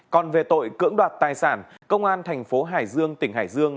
còn về tội cưỡng đoạt tài sản công an thành phố hải dương tỉnh hải dương